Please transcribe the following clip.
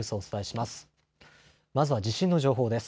まずは地震の情報です。